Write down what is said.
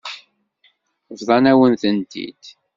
Bḍan-awen-tent-id.